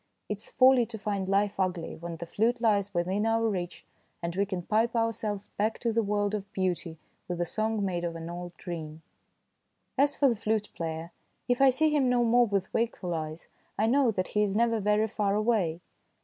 It is folly to find life ugly when the flute lies within our reach and we can pipe ourselves back to the world of beauty with a song made of an old dream. THE DAY BEFORE YESTERDAY 195 As for the flute player, if I see him no more with wakeful eyes, I know that he is never very far away.